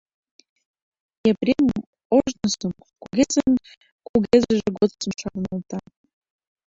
Епрем ожнысым, кугезын кугезыже годсым шарналта.